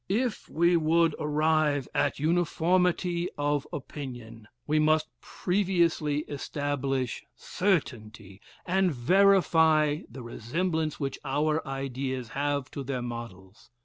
"If we would arrive at uniformity of opinion, we must previously establish certainty, and verify the resemblance which our ideas have to their models.